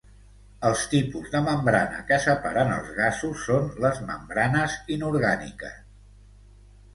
El tipus de membrana que separen els gasos, són les membranes inorgàniques.